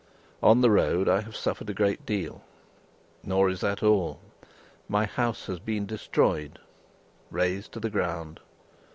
On the road I have suffered a great deal. Nor is that all; my house has been destroyed razed to the ground.